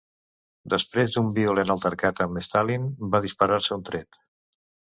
Després d'un violent altercat amb Stalin va disparar-se un tret.